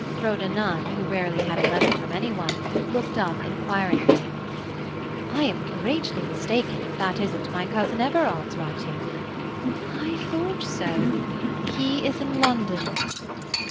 Rhoda Nunn, who rarely had a letter from any one, looked up inquiringly. "I am greatly mistaken if that isn't my cousin Everard's writing. I thought so. He is in London."